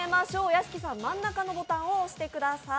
屋敷さん、真ん中のボタンを押してください。